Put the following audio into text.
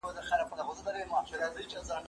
زه درسونه نه لوستل کوم!.